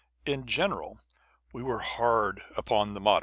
In general, we were hard upon the moderns.